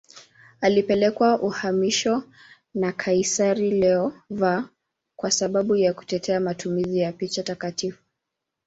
Alipelekwa uhamishoni na kaisari Leo V kwa sababu ya kutetea matumizi ya picha takatifu.